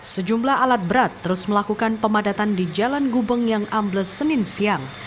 sejumlah alat berat terus melakukan pemadatan di jalan gubeng yang ambles senin siang